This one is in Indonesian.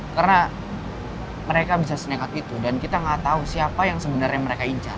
karena mereka bisa seneng seneng itu dan kita gak tahu siapa yang sebenarnya mereka incar